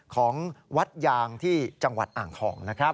ของวัดยางที่จังหวัดอ่างทองนะครับ